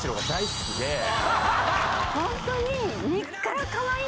ホントに。